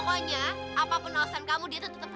pokoknya apapun nausan kamu dia tuh tetep antoni